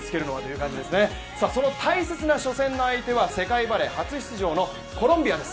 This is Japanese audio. その大切な初戦の相手は世界バレー初出場のコロンビア。